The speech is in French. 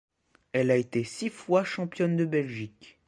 Elle a été six fois championne de Belgique.